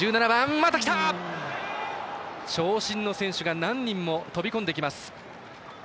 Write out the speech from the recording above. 長身の選手が何人も飛び込んできます。